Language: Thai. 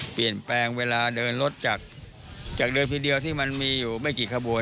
เปลี่ยนแปลงเวลาเดินรถจากเดิมทีเดียวที่มันมีอยู่ไม่กี่ขบวน